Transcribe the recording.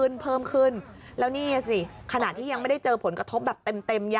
ลงพื้นที่ช่วยเหลือต่อเลย